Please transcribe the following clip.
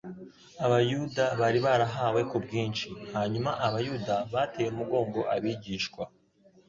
abayuda bari barahawe ku bwinshi. Hanyuma Abayuda bateye umugongo abigishwa